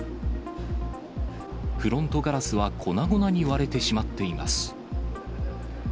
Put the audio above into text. フロントガラスは粉々に割れてしまっています。